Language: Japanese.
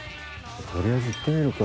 とりあえず行ってみるか。